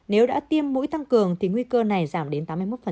nếu đã tiêm mũi tăng cường thì nguy cơ này giảm đến tám mươi một